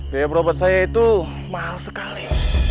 biaya berobat saya itu mahal sekali